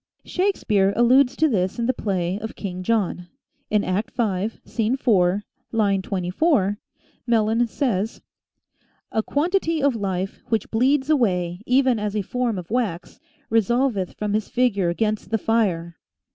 Shakespeare alludes to this in the play of King John. In Act v., Scene 4, line 24, Melun says :" A quantity of life Which bleeds away, even as a form of wax, Resolveth from his figure 'gainst the fire